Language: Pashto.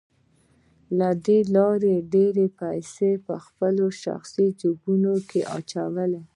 له دې لارې يې ډېرې پيسې خپلو شخصي جيبونو ته اچولې.